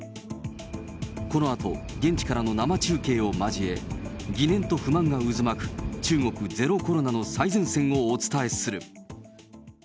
このあと、現地からの生中継を交え、疑念と不満が渦巻く、中国、ゼロコロナの最前線をお伝えする。